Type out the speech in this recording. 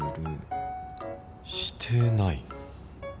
してない